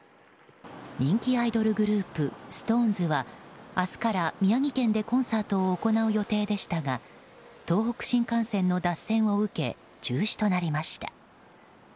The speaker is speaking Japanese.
人気アイドルグループＳｉｘＴＯＮＥＳは明日から宮城県でコンサートを行う予定でしたが東北新幹線の脱線を受け中止となりました。